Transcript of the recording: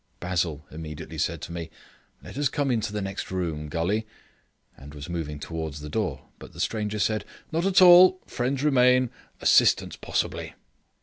Basil immediately said to me, "Let us come into the next room, Gully," and was moving towards the door, but the stranger said: "Not at all. Friends remain. Assistance possibly."